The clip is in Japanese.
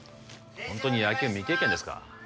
ホントに野球未経験ですか？